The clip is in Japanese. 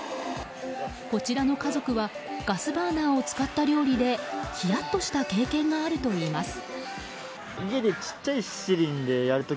こちらの家族はガスバーナーを使った料理でヒヤッとした経験があるといいます。